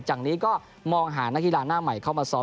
จากนี้ก็มองหานักกีฬาหน้าใหม่เข้ามาซ้อม